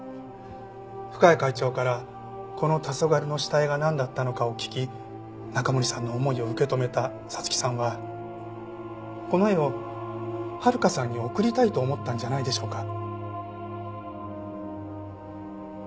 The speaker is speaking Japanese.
深谷会長からこの『黄昏』の下絵がなんだったのかを聞き中森さんの思いを受け止めた彩月さんはこの絵を温香さんに贈りたいと思ったんじゃないでしょうか。